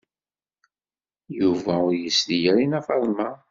Yuba ur yesli ara i Nna Faḍma.